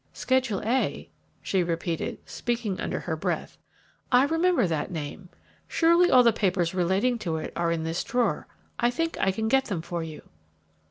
"Schedule A?" she repeated, speaking under her breath. "I remember that name. Surely all the papers relating to it are in this drawer. I think I can get them for you."